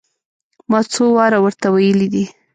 ما څو واره ور ته ويلي دي.